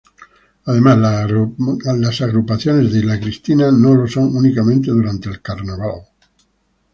Además, las agrupaciones de Isla Cristina no lo son únicamente durante el carnaval.